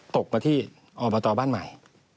ตกมาที่อบตบ้านใหม่